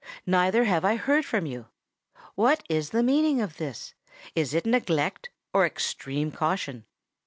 neither have I heard from you. What is the meaning of this? Is it neglect, or extreme caution?